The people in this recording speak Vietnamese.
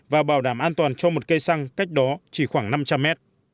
và bảo đảm an toàn cho một cây xăng cách đó chỉ khoảng năm trăm linh mét